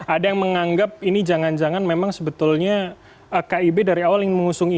ada yang menganggap ini jangan jangan memang sebetulnya kib dari awal ingin mengusung ini